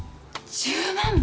１０万も？